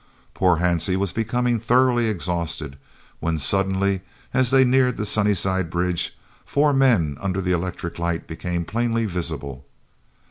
Poor Hansie was becoming thoroughly exhausted, when suddenly, as they neared the Sunnyside bridge, four men under the electric light became plainly visible.